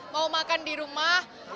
mau makan di rumah